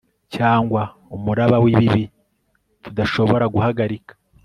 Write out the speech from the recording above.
cyangwa umuraba w'ibibi tudashobora guhagarika